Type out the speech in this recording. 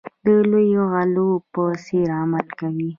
د لویو غلو په څېر عمل کوي.